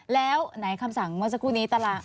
แล้วไหนคำสั่งเมื่อสักครู่นี้ตาราง